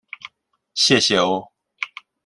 谢谢哦